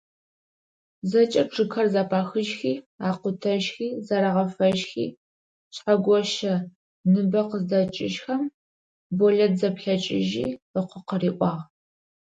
ЗэкӀэ чъыгхэр зэпахыжьхи, акъутэжьхи, зэрагъэфэжьхи, Шъхьэгощэ ныбэ къыздэкӀыжьхэм, Болэт зэплъэкӀыжьи ыкъо къыриӀуагъ.